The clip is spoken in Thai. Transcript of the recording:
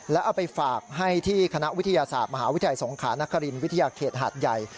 แล้วเอาไปฝากให้ที่คณะวิทยาศาสตร์มหาวิทยาลัยสงขานครินวิทยาเขตหาดใหญ่